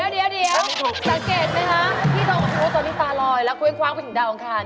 เดี๋ยวเดี๋ยวสังเกตไหมคะพี่ต้องเอาตัวนี้ตาลอย